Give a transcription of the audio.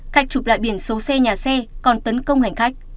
khách chụp lại biển xấu xe nhà xe còn tấn công hành khách